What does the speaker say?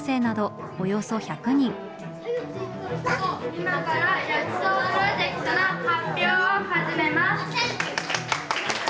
今から薬草プロジェクトの発表を始めます。